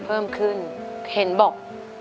เพิ่มขึ้นเห็นบอก